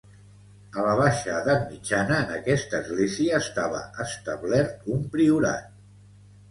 A la baixa edat mitjana en aquesta església estava establert un priorat.